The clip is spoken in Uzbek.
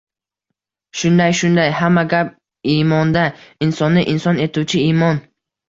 — Shunday, shunday. Hamma gap — imonda! Insonni inson etuvchi — imon.